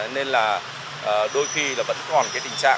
nên là đôi khi là vẫn còn cái tình trạng